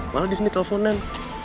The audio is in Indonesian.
malah di sini teleponan